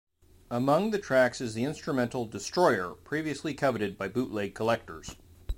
Among the tracks is the instrumental "Destroyer", previously coveted by bootleg collectors.